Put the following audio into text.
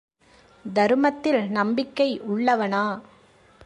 தருமத்தில் நம்பிக்கை உள்ளவனா?